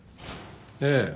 ええ。